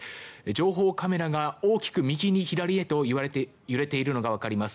情報カメラが大きく右へ左へと揺れているのが分かります。